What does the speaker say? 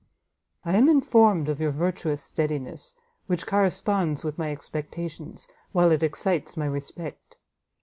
I am informed of your virtuous steadiness, which corresponds with my expectations, while it excites my respect.